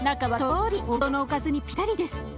お弁当のおかずにピッタリです。